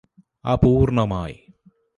അപൂര്ണ്ണമായി